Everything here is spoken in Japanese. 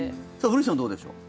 古市さん、どうでしょう。